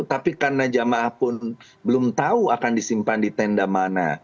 tapi karena jamaah pun belum tahu akan disimpan di tenda mana